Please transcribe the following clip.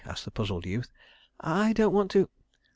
asked the puzzled youth. "I don't want to